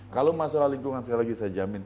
kalau masalah lingkungan sekali lagi saya jamin